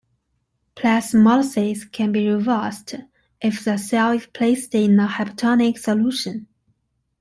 Plasmolysis can be reversed if the cell is placed in a hypotonic solution.